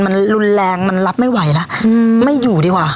มันรุนแรงมันรับไม่ไหวแล้วไม่อยู่ดีกว่า